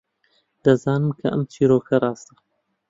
دەزانم کە ئەم چیرۆکە ڕاستە.